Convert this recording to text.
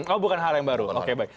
kamu bukan hal yang baru oke baik